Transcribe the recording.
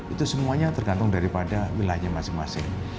itu semuanya tergantung daripada wilayahnya masing masing